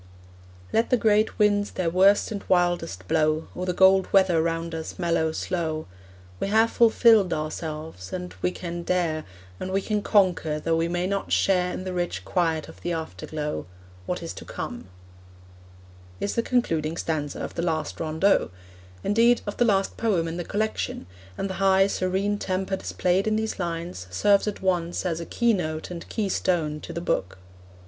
Let the great winds their worst and wildest blow, Or the gold weather round us mellow slow; We have fulfilled ourselves, and we can dare, And we can conquer, though we may not share In the rich quiet of the afterglow, What is to come, is the concluding stanza of the last rondeau indeed, of the last poem in the collection, and the high, serene temper displayed in these lines serves at once as keynote and keystone to the book.